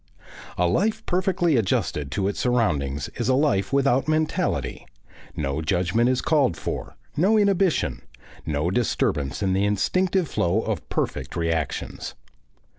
A life perfectly adjusted to its surroundings is a life without mentality; no judgment is called for, no inhibition, no disturbance of the instinctive flow of perfect reactions.